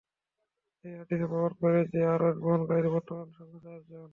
এ হাদীস প্রমাণ করে যে, আরশ বহনকারীদের বর্তমান সংখ্যা চারজন!